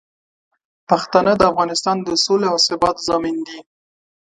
پښتانه د افغانستان د سولې او ثبات ضامن دي.